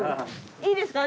いいですか？